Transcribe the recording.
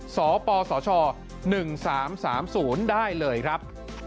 สปสช๑๓๓๐ได้เลยครับ